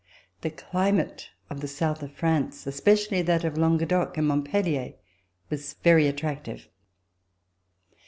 The climate of the south of France, especially that of Languedoc and Montpellier, was very attractive.